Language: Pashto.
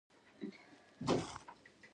ما یو نیم ساعت وخت ورکړی و.